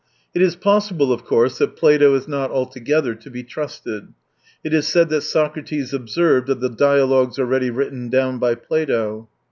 ... It is possible, of course, that Plato is not altogether to be trusted. It is said that Socrates observed, of the dialogues already written down by Plato.